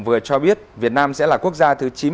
vừa cho biết việt nam sẽ là quốc gia thứ chín mươi một